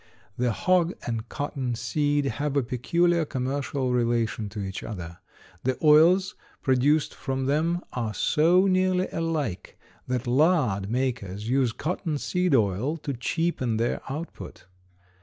The hog and cotton seed have a peculiar commercial relation to each other. The oils produced from them are so nearly alike that lard makers use cotton seed oil to cheapen their output.